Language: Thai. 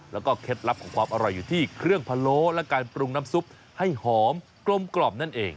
แล้วก็เคล็ดลับของความอร่อยอยู่ที่เครื่องพะโล้และการปรุงน้ำซุปให้หอมกลมกล่อมนั่นเอง